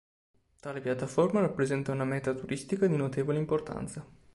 Tale piattaforma rappresenta una meta turistica di notevole importanza.